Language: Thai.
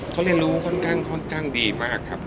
เขาเรียนรู้ค่อนข้างดีมากครับ